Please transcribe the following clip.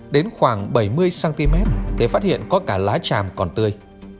đến khoảng bảy mươi cm để phát hiện có cả lá tràm còn tươi